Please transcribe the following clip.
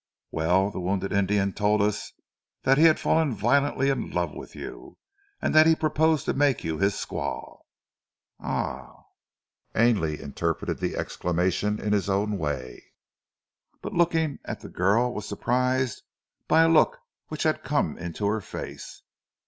"Well, the wounded Indian told us that he had fallen violently in love with you, and that he proposed to make you his squaw." "Ah!" Ainley interpreted the exclamation in his own way, but looking at the girl was surprised by a look which had come into her face.